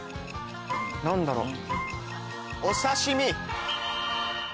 何だろう。